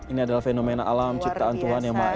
ini adalah fenomena alam ciptaan tuhan yang maha